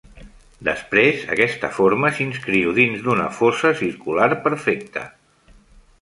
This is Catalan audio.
Després, aquesta forma s'inscriu dins d'una fosa circular perfecta.